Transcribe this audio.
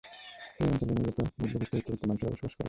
এই অঞ্চলে মূলত মধ্যবিত্ত ও উচ্চবিত্ত মানুষেরা বসবাস করেন।